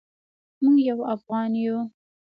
موږ یو افغان یو